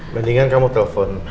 mendingan kamu telepon